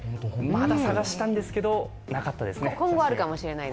まだ探したんですけどなかったんですね。